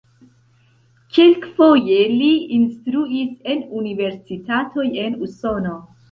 Kelkfoje li instruis en universitatoj en Usono.